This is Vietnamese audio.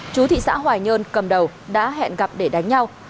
chú thị xã hoài nhơn cầm đầu đã hẹn gặp để đánh nhau